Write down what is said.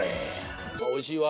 おいしいわ。